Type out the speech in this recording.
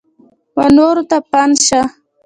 ونورو ته پند شه !